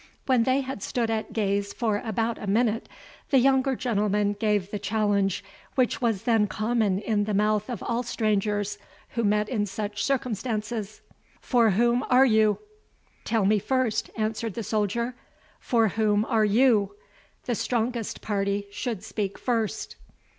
When they had stood at gaze for about a minute, the younger gentleman gave the challenge which was then common in the mouth of all strangers who met in such circumstances "For whom are you?" "Tell me first," answered the soldier, "for whom are you? the strongest party should speak first."